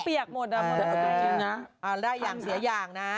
เปียกหมดแล้วเออแล้วอย่างเสียอย่างนะ